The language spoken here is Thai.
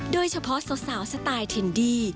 โดยเฉพาะสาวสไตล์ทินดี้